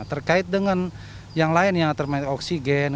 terkait dengan yang lain yang terkait oksigen